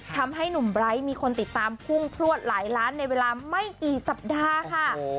ทำให้หนุ่มไบร์ทมีคนติดตามพุ่งพลวดหลายล้านในเวลาไม่กี่สัปดาห์ค่ะ